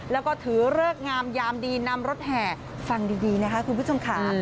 แล้วก็ถือเลิกงามยามดีนำรถแห่ฟังดีนะคะคุณผู้ชมค่ะ